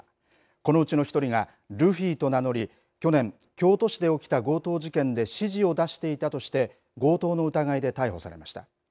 このうちの１人がルフィと名乗り去年、京都市で起きた強盗事件で指示を出していたとして強盗の疑いで逮捕されました。